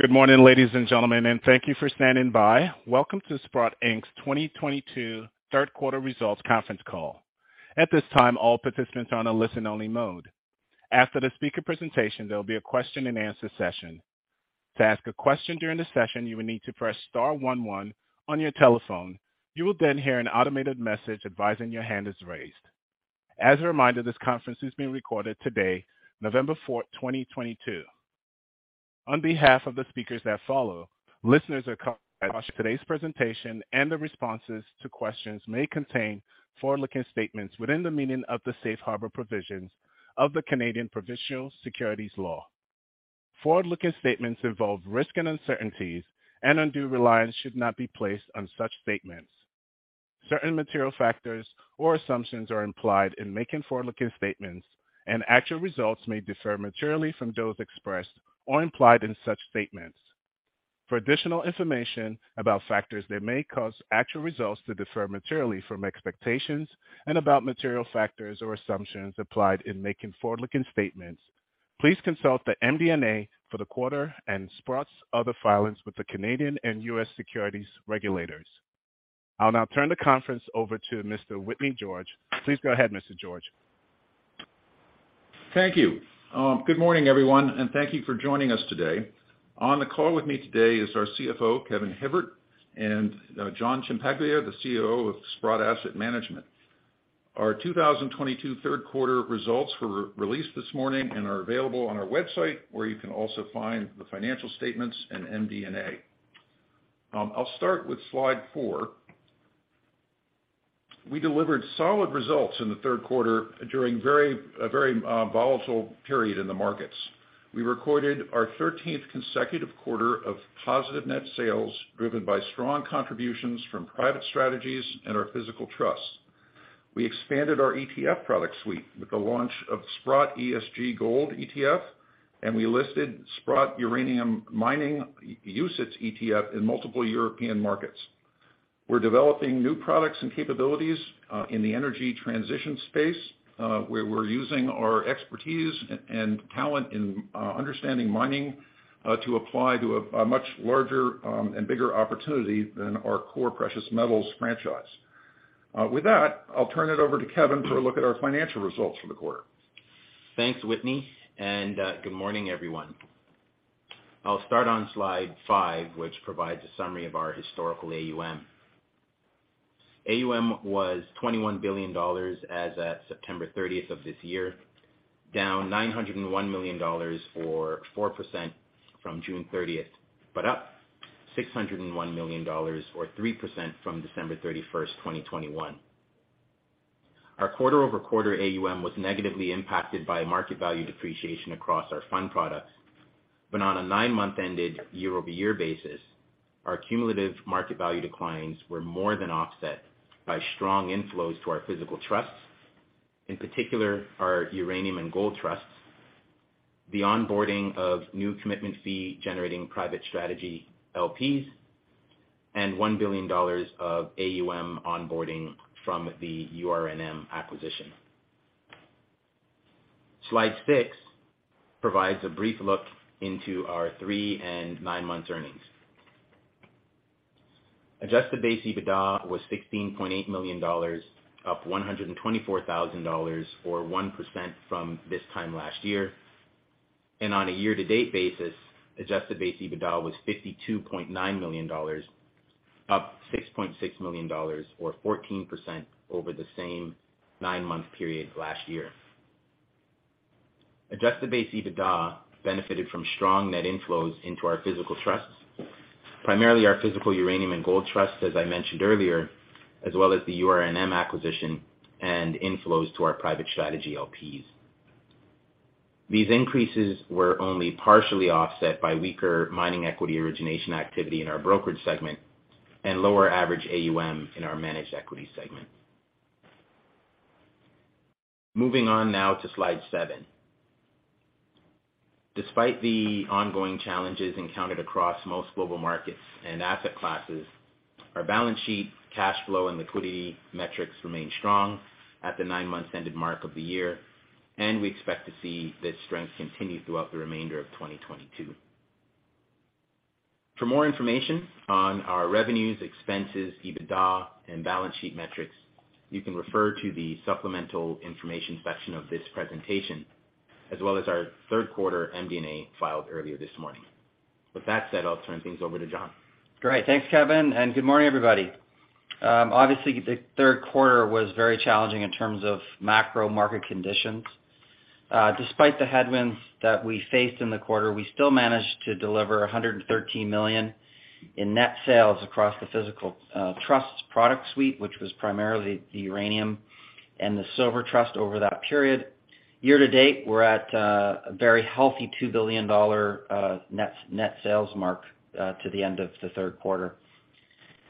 Good morning, ladies and gentlemen, and thank you for standing by. Welcome to Sprott Inc.'s 2022 third quarter results conference call. At this time, all participants are on a listen-only mode. After the speaker presentation, there will be a question-and-answer session. To ask a question during the session, you will need to press star one one on your telephone. You will then hear an automated message advising your hand is raised. As a reminder, this conference is being recorded today, November 4th, 2022. On behalf of the speakers that follow, we caution that today's presentation and the responses to questions may contain forward-looking statements within the meaning of the safe harbor provisions of the Canadian Provincial Securities Law. Forward-looking statements involve risk and uncertainties, and undue reliance should not be placed on such statements. Certain material factors or assumptions are implied in making forward-looking statements, and actual results may differ materially from those expressed or implied in such statements. For additional information about factors that may cause actual results to differ materially from expectations and about material factors or assumptions applied in making forward-looking statements, please consult the MD&A for the quarter and Sprott's other filings with the Canadian and U.S. securities regulators. I'll now turn the conference over to Mr. Whitney George. Please go ahead, Mr. George. Thank you. Good morning, everyone, and thank you for joining us today. On the call with me today is our CFO, Kevin Hibbert, and John Ciampaglia, the CEO of Sprott Asset Management. Our 2022 third quarter results were released this morning and are available on our website, where you can also find the financial statements and MD&A. I'll start with slide four. We delivered solid results in the third quarter during very volatile period in the markets. We recorded our 13th consecutive quarter of positive net sales, driven by strong contributions from private strategies and our physical trust. We expanded our ETF product suite with the launch of Sprott ESG Gold ETF, and we listed Sprott Uranium Miners UCITS ETF in multiple European markets. We're developing new products and capabilities in the energy transition space, where we're using our expertise and talent in understanding mining to apply to a much larger and bigger opportunity than our core precious metals franchise. With that, I'll turn it over to Kevin for a look at our financial results for the quarter. Thanks, Whitney, and good morning, everyone. I'll start on slide five, which provides a summary of our historical AUM. AUM was $21 billion as at September 30th of this year, down $901 million or 4% from June 30th, but up $601 million or 3% from December 31st, 2021. Our quarter-over-quarter AUM was negatively impacted by market value depreciation across our fund products. On a nine-month ended year-over-year basis, our cumulative market value declines were more than offset by strong inflows to our physical trusts, in particular our uranium and gold trusts, the onboarding of new commitment fee, generating private strategy LPs, and $1 billion of AUM onboarding from the URNM acquisition. Slide 6 provides a brief look into our three-month and nine-month earnings. Adjusted base EBITDA was $16.8 million, up $124,000 or 1% from this time last year. On a year-to-date basis, adjusted base EBITDA was $52.9 million, up $6.6 million or 14% over the same nine-month period last year. Adjusted base EBITDA benefited from strong net inflows into our physical trusts, primarily our physical uranium and gold trusts, as I mentioned earlier, as well as the URNM acquisition and inflows to our private strategy LPs. These increases were only partially offset by weaker mining equity origination activity in our brokerage segment and lower average AUM in our managed equity segment. Moving on now to slide seven. Despite the ongoing challenges encountered across most global markets and asset classes, our balance sheet, cash flow, and liquidity metrics remain strong at the nine months ended mark of the year, and we expect to see this strength continue throughout the remainder of 2022. For more information on our revenues, expenses, EBITDA, and balance sheet metrics, you can refer to the supplemental information section of this presentation, as well as our third quarter MD&A filed earlier this morning. With that said, I'll turn things over to John. Great. Thanks, Kevin, and good morning, everybody. Obviously, the third quarter was very challenging in terms of macro market conditions. Despite the headwinds that we faced in the quarter, we still managed to deliver $113 million in net sales across the physical trusts product suite, which was primarily the uranium and the silver trust over that period. Year to date, we're at a very healthy $2 billion net sales mark to the end of the third quarter.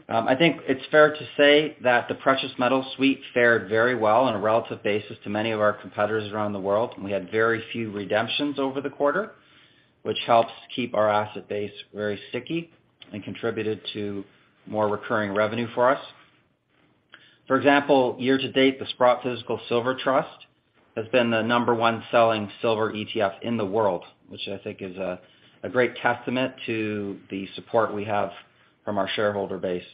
I think it's fair to say that the precious metal suite fared very well on a relative basis to many of our competitors around the world, and we had very few redemptions over the quarter, which helps keep our asset base very sticky and contributed to more recurring revenue for us. For example, year to date, the Sprott Physical Silver Trust has been the number one selling silver ETF in the world, which I think is a great testament to the support we have from our shareholder base.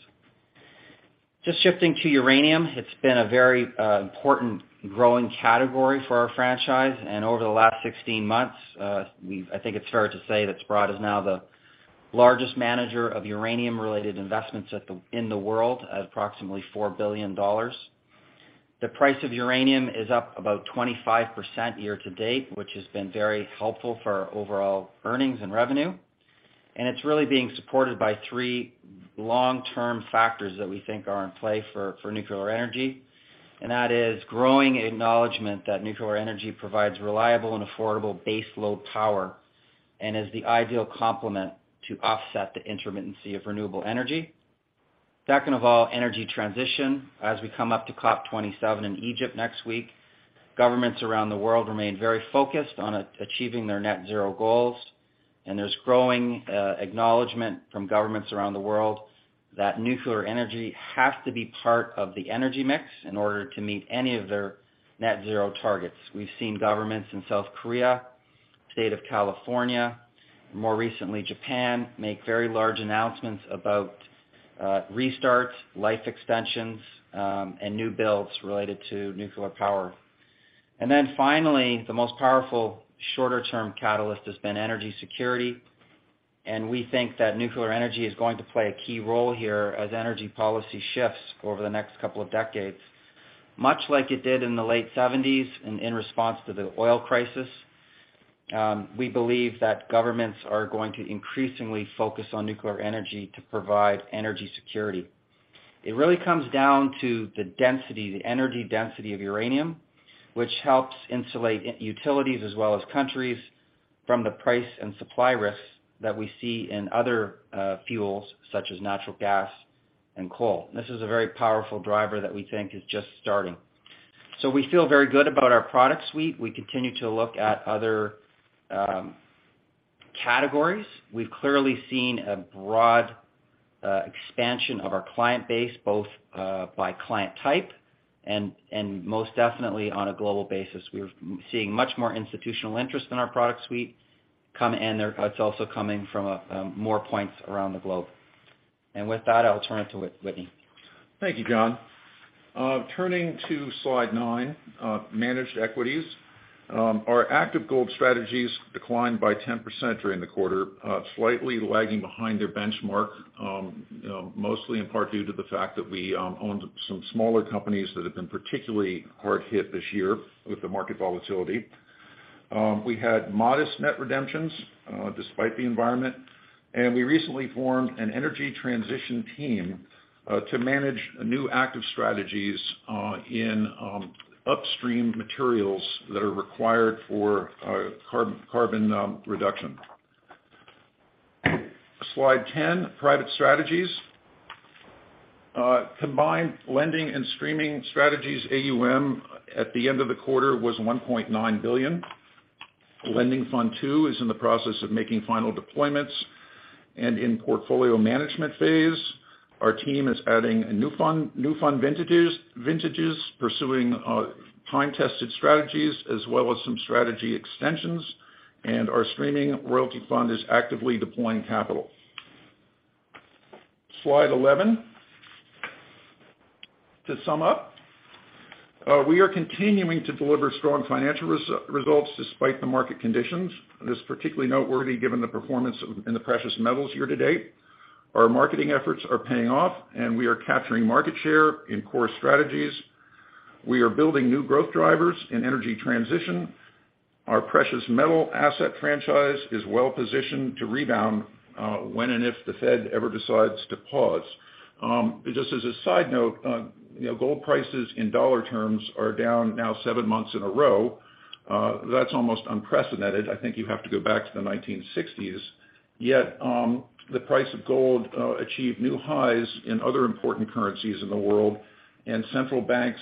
Just shifting to uranium, it's been a very important growing category for our franchise. Over the last 16 months, I think it's fair to say that Sprott is now the largest manager of uranium-related investments in the world at approximately $4 billion. The price of uranium is up about 25% year to date, which has been very helpful for our overall earnings and revenue. It's really being supported by three long-term factors that we think are in play for nuclear energy, and that is growing acknowledgment that nuclear energy provides reliable and affordable base load power and is the ideal complement to offset the intermittency of renewable energy. Second of all, energy transition. As we come up to COP27 in Egypt next week, governments around the world remain very focused on achieving their net zero goals. There's growing acknowledgment from governments around the world that nuclear energy has to be part of the energy mix in order to meet any of their net zero targets. We've seen governments in South Korea, State of California, and more recently Japan, make very large announcements about restarts, life extensions, and new builds related to nuclear power. Finally, the most powerful shorter-term catalyst has been energy security, and we think that nuclear energy is going to play a key role here as energy policy shifts over the next couple of decades. Much like it did in the late seventies and in response to the oil crisis, we believe that governments are going to increasingly focus on nuclear energy to provide energy security. It really comes down to the density, the energy density of uranium, which helps insulate utilities as well as countries from the price and supply risks that we see in other fuels such as natural gas and coal. This is a very powerful driver that we think is just starting. We feel very good about our product suite. We continue to look at other categories. We've clearly seen a broad expansion of our client base, both by client type and most definitely on a global basis. We're seeing much more institutional interest in our product suite come in, it's also coming from more points around the globe. With that, I'll turn it to Whitney. Thank you, John. Turning to slide nine, managed equities. Our active gold strategies declined by 10% during the quarter, slightly lagging behind their benchmark, mostly in part due to the fact that we owned some smaller companies that have been particularly hard hit this year with the market volatility. We had modest net redemptions, despite the environment, and we recently formed an energy transition team, to manage new active strategies, in upstream materials that are required for carbon reduction. Slide 10, private strategies. Combined lending and streaming strategies AUM at the end of the quarter was $1.9 billion. Lending Fund II is in the process of making final deployments. In portfolio management phase, our team is adding a new fund, new fund vintages, pursuing time-tested strategies as well as some strategy extensions, and our streaming royalty fund is actively deploying capital. Slide 11. To sum up, we are continuing to deliver strong financial results despite the market conditions, and it's particularly noteworthy given the performance in the precious metals year to date. Our marketing efforts are paying off, and we are capturing market share in core strategies. We are building new growth drivers in energy transition. Our precious metal asset franchise is well positioned to rebound, when and if the Fed ever decides to pause. Just as a side note, you know, gold prices in dollar terms are down now seven months in a row. That's almost unprecedented. I think you have to go back to the 1960s. Yet, the price of gold achieved new highs in other important currencies in the world. Central banks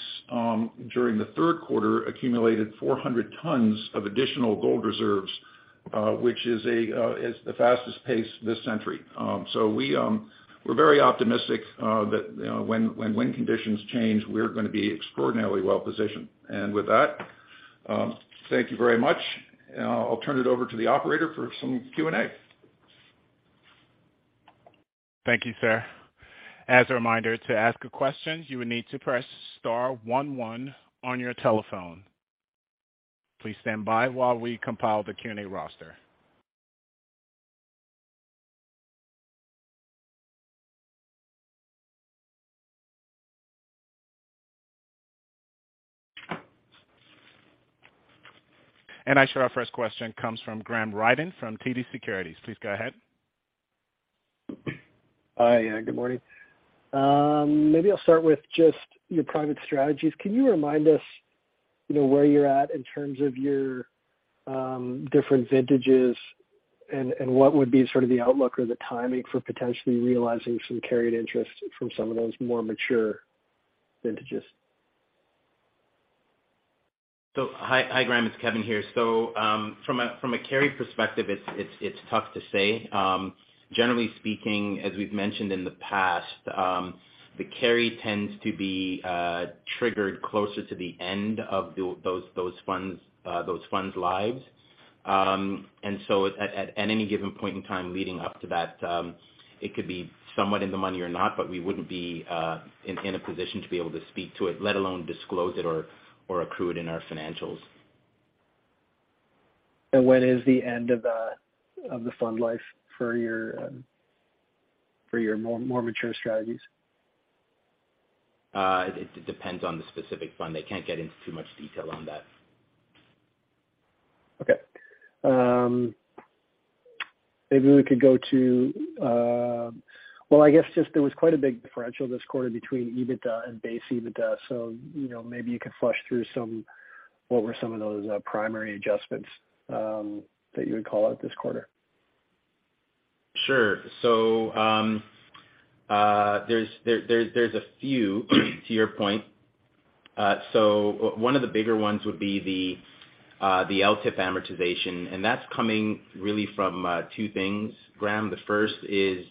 during the third quarter accumulated 400 tons of additional gold reserves, which is the fastest pace this century. We're very optimistic that, you know, when wind conditions change, we're gonna be extraordinarily well positioned. With that, thank you very much. I'll turn it over to the operator for some Q&A. Thank you, sir. As a reminder, to ask a question, you will need to press star one one on your telephone. Please stand by while we compile the Q&A roster. Our first question comes from Graham Ryding from TD Securities. Please go ahead. Hi. Good morning. Maybe I'll start with just your private strategies. Can you remind us, you know, where you're at in terms of your different vintages and what would be sort of the outlook or the timing for potentially realizing some carried interest from some of those more mature vintages? Hi, Graham, it's Kevin here. From a carry perspective, it's tough to say. Generally speaking, as we've mentioned in the past, the carry tends to be triggered closer to the end of those funds' lives. At any given point in time leading up to that, it could be somewhat in the money or not, but we wouldn't be in a position to be able to speak to it, let alone disclose it or accrue it in our financials. When is the end of the fund life for your more mature strategies? It depends on the specific fund. I can't get into too much detail on that. I guess just there was quite a big differential this quarter between EBITDA and base EBITDA. You know, maybe you could walk through what were some of those primary adjustments that you would call out this quarter? Sure. There's a few to your point. One of the bigger ones would be the LTIP amortization, and that's coming really from two things, Graham. The first is,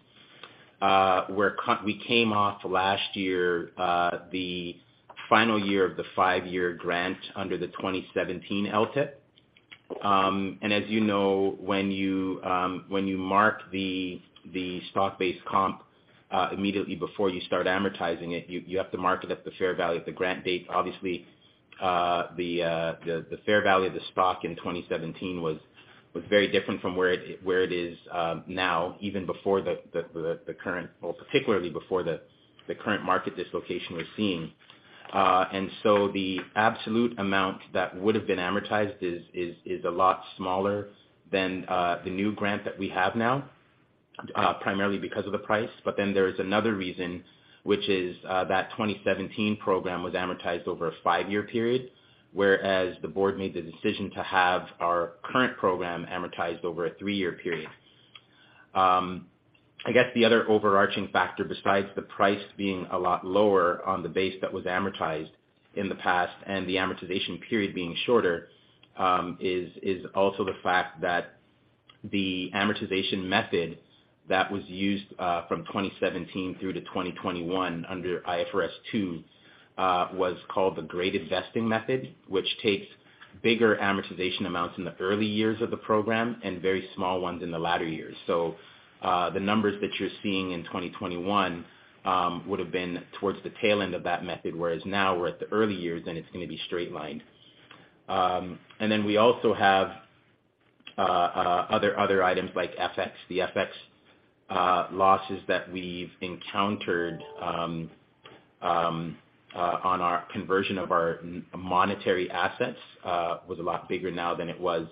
we came off last year, the final year of the five-year grant under the 2017 LTIP. As you know, when you mark the stock-based comp immediately before you start amortizing it, you have to mark it at the fair value of the grant date. Obviously, the fair value of the stock in 2017 was very different from where it is now, even before the current market dislocation we're seeing. Well, particularly before the current market dislocation we're seeing. The absolute amount that would've been amortized is a lot smaller than the new grant that we have now, primarily because of the price. There's another reason, which is that 2017 program was amortized over a five-year period, whereas the board made the decision to have our current program amortized over a three-year period. I guess the other overarching factor besides the price being a lot lower on the base that was amortized in the past and the amortization period being shorter is also the fact that the amortization method that was used from 2017 through to 2021 under IFRS 2 was called the graded vesting method, which takes bigger amortization amounts in the early years of the program and very small ones in the latter years. The numbers that you're seeing in 2021 would've been towards the tail end of that method, whereas now we're at the early years, and it's gonna be straight lined. We also have other items like FX. The FX losses that we've encountered on our conversion of our monetary assets was a lot bigger now than it was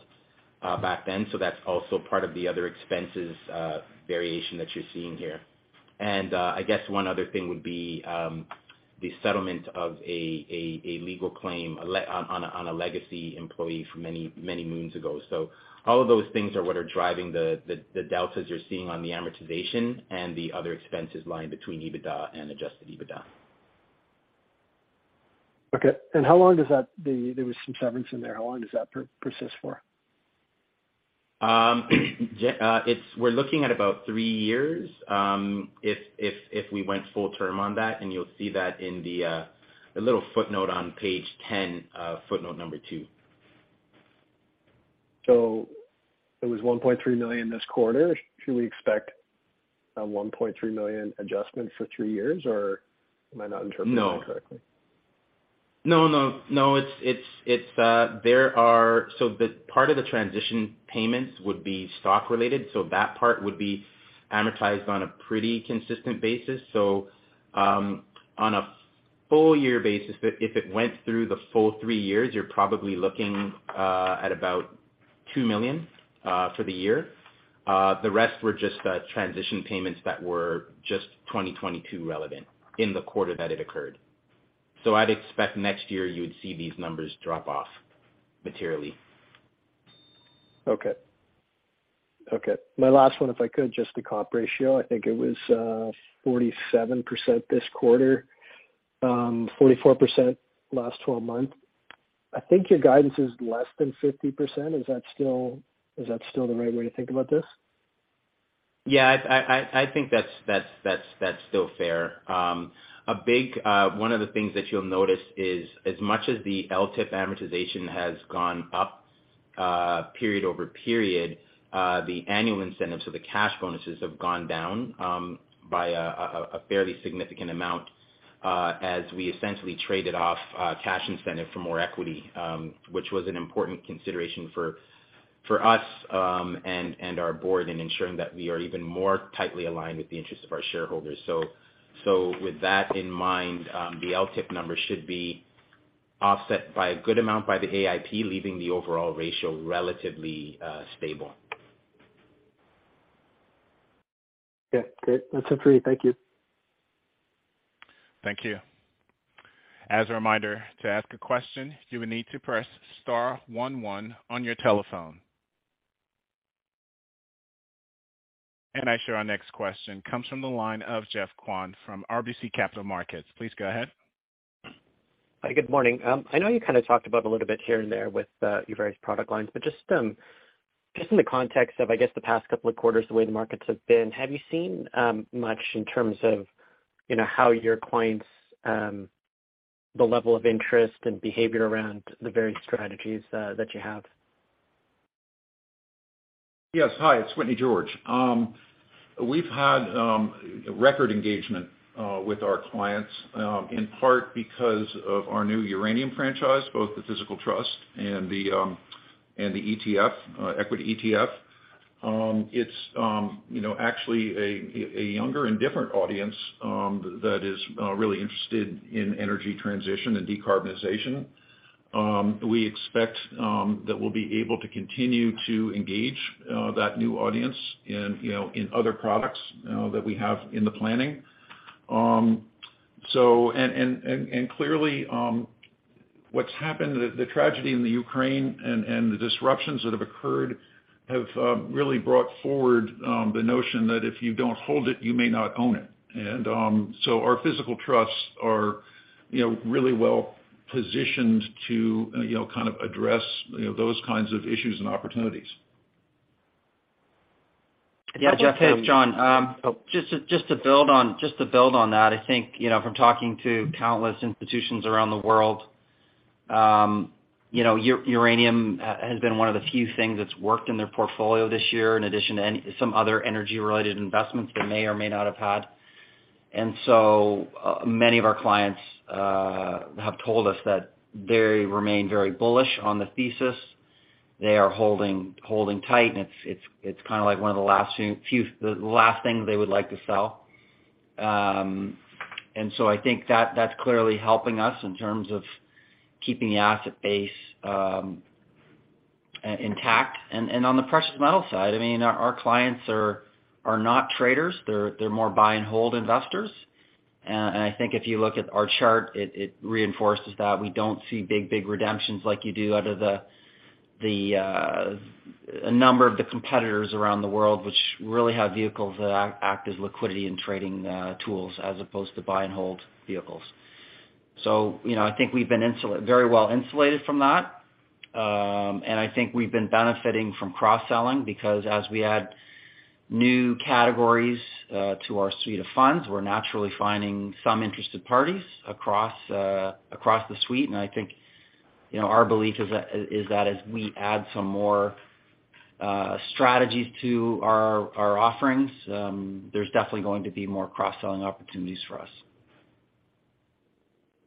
back then. That's also part of the other expenses variation that you're seeing here. I guess one other thing would be the settlement of a legal claim on a legacy employee from many moons ago. All of those things are what are driving the deltas you're seeing on the amortization and the other expenses line between EBITDA and adjusted EBITDA. Okay. There was some severance in there. How long does that persist for? We're looking at about three years if we went full term on that, and you'll see that in the little footnote on page 10, footnote number two. It was $1.3 million this quarter. Should we expect a $1.3 million adjustment for three years, or am I not interpreting that correctly? No, no. The part of the transition payments would be stock related, so that part would be amortized on a pretty consistent basis. On a full year basis, if it went through the full three years, you're probably looking at about $2 million for the year. The rest were just transition payments that were just 2022 relevant in the quarter that it occurred. I'd expect next year you would see these numbers drop off materially. Okay. My last one, if I could, just the comp ratio. I think it was 47% this quarter, 44% last 12 month. I think your guidance is less than 50%. Is that still the right way to think about this? Yeah. I think that's still fair. A big one of the things that you'll notice is, as much as the LTIP amortization has gone up period-over-period, the annual incentives or the cash bonuses have gone down by a fairly significant amount, as we essentially traded off cash incentive for more equity, which was an important consideration for us and our board in ensuring that we are even more tightly aligned with the interest of our shareholders. With that in mind, the LTIP number should be offset by a good amount by the AIP, leaving the overall ratio relatively stable. Yeah. Great. That's it for me. Thank you. Thank you. As a reminder, to ask a question, you will need to press star one one on your telephone. Our next question comes from the line of Geoff Kwan from RBC Capital Markets. Please go ahead. Hi, good morning. I know you kind of talked about a little bit here and there with your various product lines, but just in the context of, I guess, the past couple of quarters, the way the markets have been, have you seen much in terms of, you know, how your clients, the level of interest and behavior around the various strategies that you have? Yes. Hi, it's Whitney George. We've had record engagement with our clients in part because of our new uranium franchise, both the physical trust and the ETF, equity ETF. It's you know actually a younger and different audience that is really interested in energy transition and decarbonization. We expect that we'll be able to continue to engage that new audience in you know in other products that we have in the planning. Clearly, what's happened, the tragedy in the Ukraine and the disruptions that have occurred have really brought forward the notion that if you don't hold it, you may not own it. Our physical trusts are, you know, really well positioned to, you know, kind of address, you know, those kinds of issues and opportunities. Yeah, Jeff. This is John. Just to build on that, I think, you know, from talking to countless institutions around the world, you know, uranium has been one of the few things that's worked in their portfolio this year, in addition to some other energy-related investments they may or may not have had. Many of our clients have told us that they remain very bullish on the thesis. They are holding tight, and it's kind of like one of the last few things they would like to sell. I think that's clearly helping us in terms of keeping the asset base intact. On the precious metal side, I mean, our clients are not traders. They're more buy and hold investors. I think if you look at our chart, it reinforces that. We don't see big redemptions like you do out of a number of the competitors around the world, which really have vehicles that act as liquidity and trading tools as opposed to buy and hold vehicles. You know, I think we've been very well insulated from that. I think we've been benefiting from cross-selling because as we add new categories to our suite of funds, we're naturally finding some interested parties across the suite. I think, you know, our belief is that as we add some more strategies to our offerings, there's definitely going to be more cross-selling opportunities for us.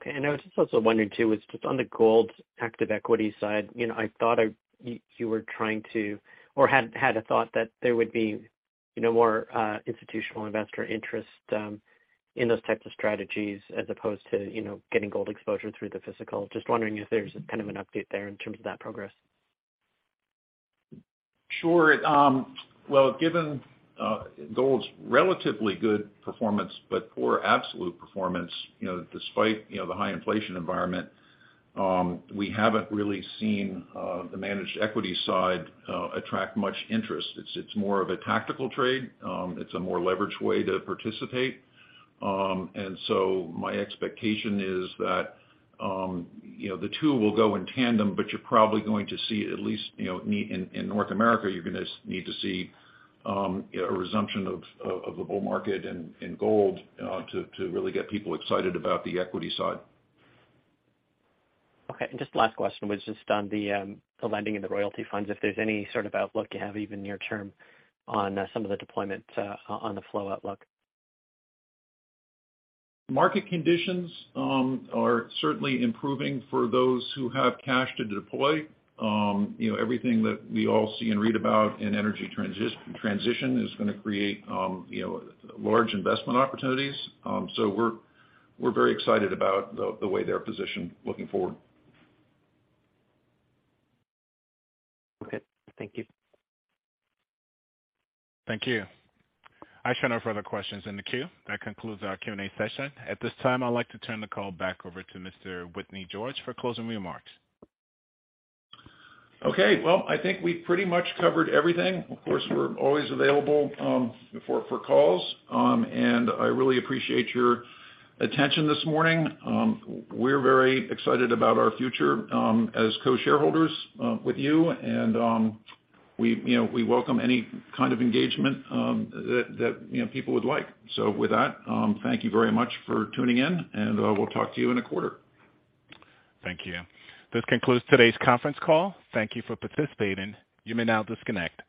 Okay. I was just also wondering too, was just on the gold active equity side, you know, I thought you were trying to or had a thought that there would be, you know, more institutional investor interest in those types of strategies as opposed to, you know, getting gold exposure through the physical. Just wondering if there's kind of an update there in terms of that progress. Sure. Well, given gold's relatively good performance but poor absolute performance, you know, despite you know the high inflation environment, we haven't really seen the managed equity side attract much interest. It's more of a tactical trade. It's a more leveraged way to participate. My expectation is that, you know, the two will go in tandem, but you're probably going to see at least, you know, in North America, you're gonna need to see, you know, a resumption of the bull market in gold to really get people excited about the equity side. Okay. Just last question was just on the lending and the royalty funds, if there's any sort of outlook you have, even near term, on some of the deployment, on the flow outlook. Market conditions are certainly improving for those who have cash to deploy. You know, everything that we all see and read about in energy transition is gonna create, you know, large investment opportunities. We're very excited about the way they're positioned looking forward. Okay. Thank you. Thank you. I show no further questions in the queue. That concludes our Q&A session. At this time, I'd like to turn the call back over to Mr. Whitney George for closing remarks. Okay. Well, I think we pretty much covered everything. Of course, we're always available for calls. I really appreciate your attention this morning. We're very excited about our future as co-shareholders with you. You know, we welcome any kind of engagement that you know people would like. With that, thank you very much for tuning in, and we'll talk to you in a quarter. Thank you. This concludes today's conference call. Thank you for participating. You may now disconnect.